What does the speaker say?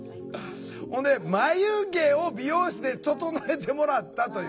ほんで「眉毛を美容室で整えてもらった」というね。